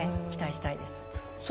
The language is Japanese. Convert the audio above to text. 期待したいです。